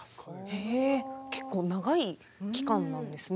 へえ結構長い期間なんですね。